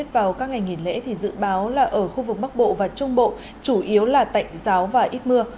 vào các ngày nghỉ lễ thì dự báo là ở khu vực bắc bộ và trung bộ chủ yếu là tạnh giáo và ít mưa